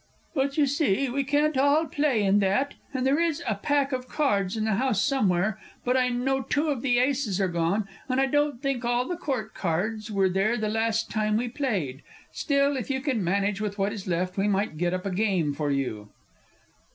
But, you see, we can't all play in that, and there is a pack of cards in the house somewhere; but I know two of the aces are gone, and I don't think all the court cards were there the last time we played. Still, if you can manage with what is left, we might get up a game for you.